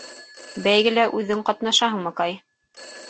Бәйгелә үҙең ҡатнашаһыңмы, Кай?